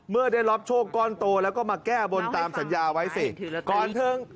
เมื่อได้รับโชคก้อนโตแล้วก็มาแก้บนตามสัญญาไว้สิก่อนถึง